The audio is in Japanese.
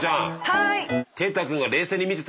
はい！